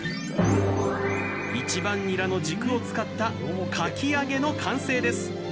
１番ニラの軸を使った「かき揚げ」の完成です！